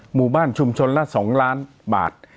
หมู่บ้านชุมชนละ๒ล้านบาท